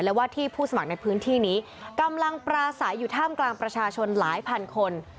และว่าที่ผู้สมัครในพื้นที่นี้กำลังปราศัยอยู่ท่ามกลางประชาชนหลายพันคน